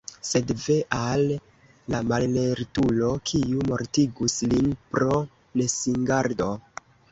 Sed ve al la mallertulo, kiu mortigus lin pro nesingardo!